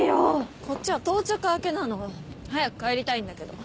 こっちは当直明けなの。早く帰りたいんだけど。